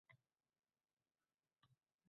Qilichin yalang‘och qilib